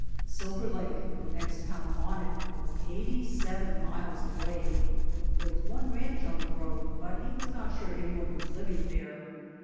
Silver Lake, the next town on it, was eighty seven miles away. There was one ranch on the road but he was not sure any one was living there.